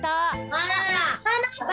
バナナ！